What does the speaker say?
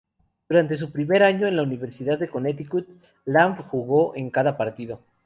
Durante su primer año en la Universidad de Connecticut, Lamb jugó en cada partido.